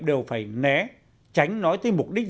đều phải né tránh nói tới mục đích